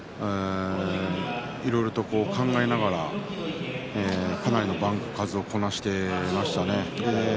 いろいろと考えながらかなりの番数をこなしていましたね。